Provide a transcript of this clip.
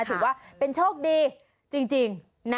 ถือว่าเป็นโชคดีจริงนะ